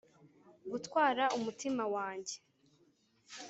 gutwara umutima wanjye,